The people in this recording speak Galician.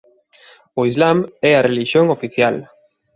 O Islam é a relixión oficial.